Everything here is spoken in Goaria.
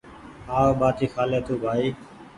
آو ٻاٽي کهالي تونٚٚ بهائي